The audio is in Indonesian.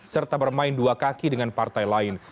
serta bermain dua kaki dengan partai lain